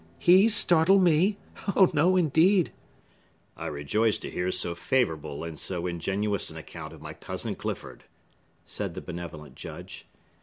He startle me!—Oh, no indeed!" "I rejoice to hear so favorable and so ingenuous an account of my cousin Clifford," said the benevolent Judge.